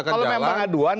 kalau memang aduan